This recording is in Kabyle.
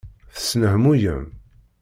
Tesnehmuyem.